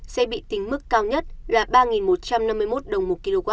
sẽ bị tính mức cao nhất là ba một trăm năm mươi một đồng một kwh